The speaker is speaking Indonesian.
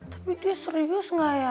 tapi dia serius nggak ya